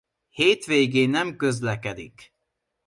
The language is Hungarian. Hétvégén nem közlekedik.